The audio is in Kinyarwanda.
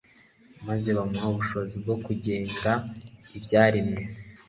maze bumuha ubushobozi bwo kugenga ibyaremwe